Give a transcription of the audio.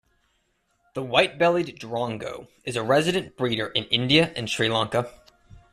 The white-bellied drongo is a resident breeder in India and Sri Lanka.